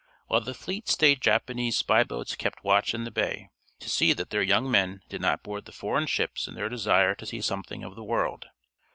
While the fleet stayed Japanese spy boats kept watch in the bay, to see that their young men did not board the foreign ships in their desire to see something of the world.